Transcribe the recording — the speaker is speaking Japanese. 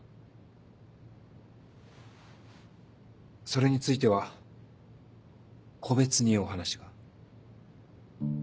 それについては個別にお話が。